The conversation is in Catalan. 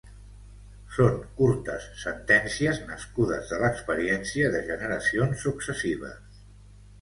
Són curtes sentències nascudes de l'experiència de generacions successives .